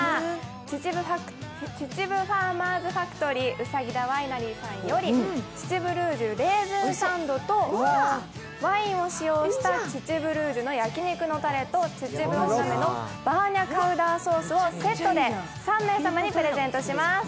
秩父ファーマーズファクトリー兎田ワイナリーさんより父ブルージュレーズンサンドと、ワインを使用した秩父ルージュの焼肉と秩父おなめのバーニャカウダソースをセットで３名様にプレゼントします。